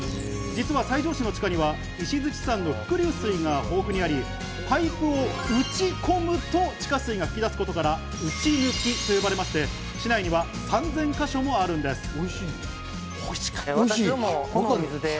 実は西条市の地下には石鎚山の伏流水が豊富にあり、パイプを打ち込むと地下水が噴き出すことからうちぬきと呼ばれまして、市内には３０００か所もあるんです。